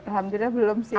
alhamdulillah belum sih